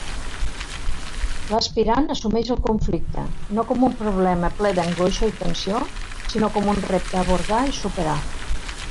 L'aspirant assumix el conflicte, no com un problema ple d'angoixa i tensió, sinó com un repte a abordar i superar.